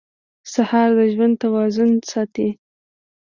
سهار د ژوند توازن ساتي.